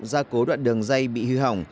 gia cố đoạn đường dây bị hư hỏng